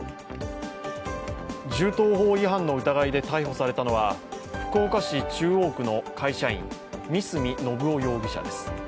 銃刀法違反の疑いで逮捕されたのは福岡市中央区の会社員、三角信夫容疑者です。